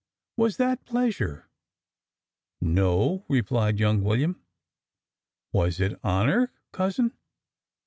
Was that pleasure?" "No," replied young William. "Was it honour, cousin?"